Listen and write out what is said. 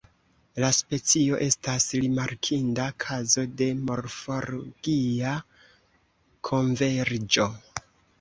La specio estas rimarkinda kazo de morfologia konverĝo.